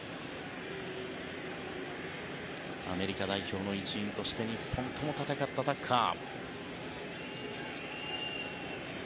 アメリカ代表の一員として日本とも戦ったタッカー。